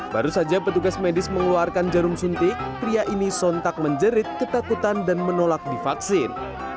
baru saja petugas medis mengeluarkan jarum suntik pria ini sontak menjerit ketakutan dan menolak divaksin